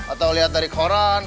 atau lihat dari koran